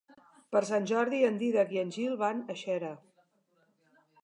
Per Sant Jordi en Dídac i en Gil van a Xera.